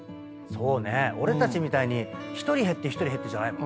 俺たちみたいに１人減って１人減ってじゃない。